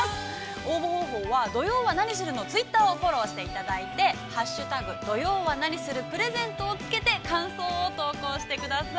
応募方法は「土曜はナニする！？」のツイッターをフォローしていただいて「＃土曜はナニする」「＃プレゼント」をつけて感想を投稿してください。